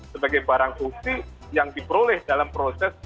sebagai barang bukti yang diperoleh dalam proses